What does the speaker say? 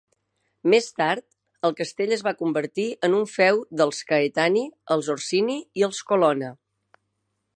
Més tard, el castell es va convertir en un feu dels Caetani, els Orsini i els Colonna.